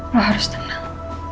lo harus tenang